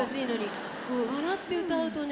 笑って歌うとね。